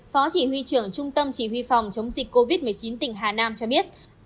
phó chỉ huy trưởng trung tâm chỉ huy phòng chống dịch covid một mươi chín tỉnh hà nam cho biết